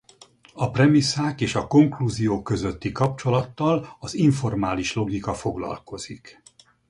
A premisszák és a konklúzió közötti kapcsolattal az informális logika foglalkozik.